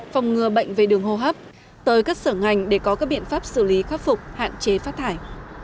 phòng ngừa bệnh về đường hô hấp tới các sở ngành để có các biện pháp xử lý khắc phục hạn chế phát thải